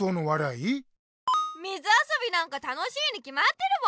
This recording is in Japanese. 水あそびなんか楽しいにきまってるもん。